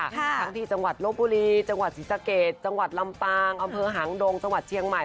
ทั้งที่จังหวัดลบบุรีจังหวัดศรีสะเกดจังหวัดลำปางอำเภอหางดงจังหวัดเชียงใหม่